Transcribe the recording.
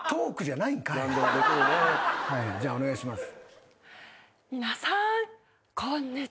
じゃあお願いします。